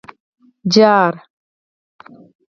_جار!